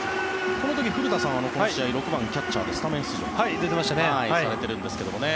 この時、古田さんは６番、キャッチャーでスタメン出場されてるんですけどね。